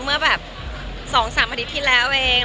เมื่อแบบ๒๓อาทิตย์ที่แล้วเอง